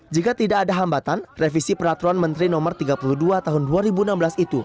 jika tidak ada hambatan revisi peraturan menteri no tiga puluh dua tahun dua ribu enam belas itu